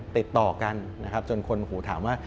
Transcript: ติดต่อกันจนคนหูถามว่า